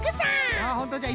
ああほんとじゃ。